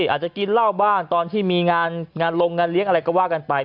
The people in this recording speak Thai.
อาจจะกินเหล้าบ้างตอนที่มีงานลงงานเลี้ยงอะไรก็ว่ากันไป